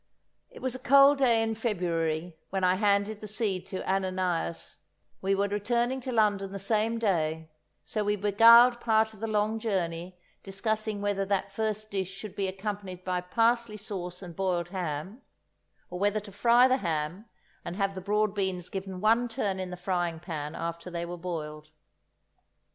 It was a cold day in February when I handed the seed to Ananias; we were returning to London the same day, so we beguiled part of the long journey discussing whether that first dish should be accompanied by parsley sauce and boiled ham, or whether to fry the ham and have the broad beans given one turn in the frying pan after they were boiled.